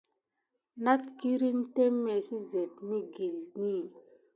Nat migurin témé sisene məglekini.